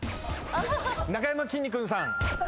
なかやまきんに君さん。